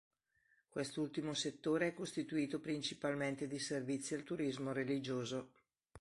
Quest'ultimo settore è costituito principalmente di servizi al turismo religioso.